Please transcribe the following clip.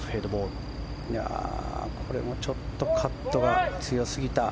これもちょっとカットが強すぎた。